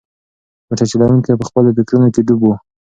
موټر چلونکی په خپلو فکرونو کې ډوب و.